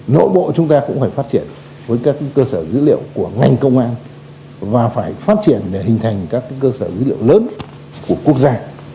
nội bộ chúng ta cũng phải phát triển với các cơ sở dữ liệu của ngành công an và phải phát triển để hình thành các cơ sở dữ liệu lớn của quốc gia